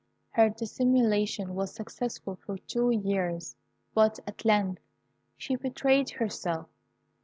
Her dissimulation was successful for two years; but at length she betrayed herself.